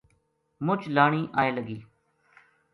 مُچ لانی آئے لگی